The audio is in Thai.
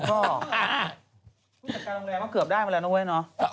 ผู้จัดการโรงแรมก็เกือบได้มาแล้วนะเว้ยเนาะ